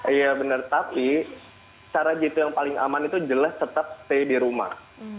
iya benar tapi cara jitu yang paling aman itu jelas tetap stay di rumah